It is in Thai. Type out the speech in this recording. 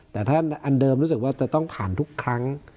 แต่ถ้าอันเดิมรู้สึกว่าจะต้องผ่านทุกครั้ง